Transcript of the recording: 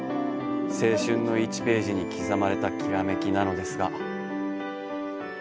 青春の１ページに刻まれたきらめきなのですが。